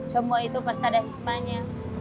semua itu pas ada hikmahnya